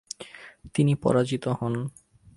তিনি পরাজিত হন।